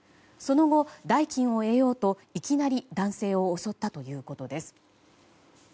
その後、代金を得ようといきなり男性を襲ったということです。